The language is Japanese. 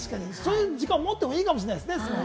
そういう時間を持ってもいいかもしれないですね。